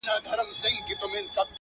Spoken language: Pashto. چي ستا به اوس زه هسي ياد هم نه يم،